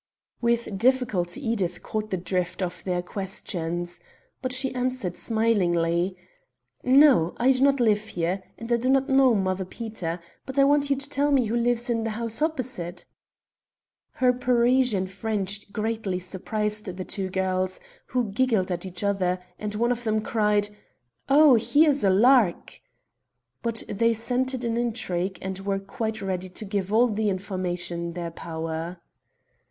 With difficulty Edith caught the drift of their questions. But she answered smilingly "No, I do not live here, and I do not know Mother Peter. But I want you to tell me who lives in the house opposite?" Her Parisian French greatly surprised the two girls, who giggled at each other, and one of them cried "Oh, here's a lark!" But they scented an intrigue, and were quite ready to give all the information in their power.